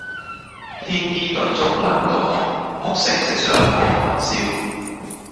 牽衣頓足攔道哭，哭聲直上干云霄！